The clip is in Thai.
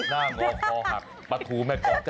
หน้าง่อคอขักปะทูแม่กรองชัด